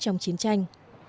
trong chiến tranh